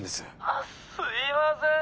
あっすいません。